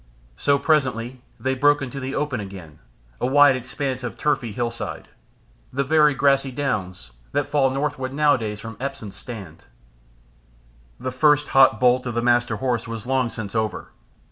So presently they broke into the open again, a wide expanse of turfy hillside the very grassy downs that fall northward nowadays from the Epsom Stand. The first hot bolt of the Master Horse was long since over.